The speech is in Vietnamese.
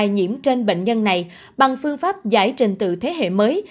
nhiễm trên bệnh nhân này bằng phương pháp giải trình từ thế hệ mới